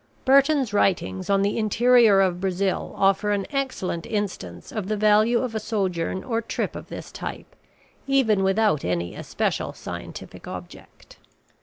Burton's writings on the interior of Brazil offer an excellent instance of the value of a sojourn or trip of this type, even without any especial scientific object.